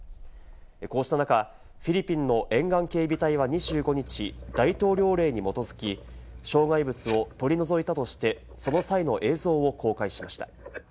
こうした中、フィリピンの沿岸警備隊は２５日、大統領令に基づき障害物を取り除いたとして、その際の映像を公開しました。